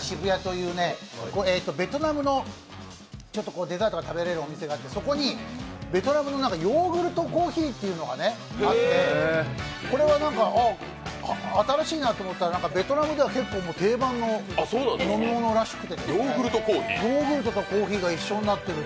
渋谷という、ベトナムのデザートが食べられるお店があって、そこにベトナムのヨーグルトコーヒーというのがあって、これは新しいなと思ったら、ベトナムでは定番の飲み物らしくて、ヨーグルトコーヒーが一緒になってる。